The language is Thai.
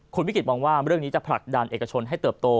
คุณวิกฤตมองว่าเรื่องนี้จะผลักดันเอกชนให้เติบโต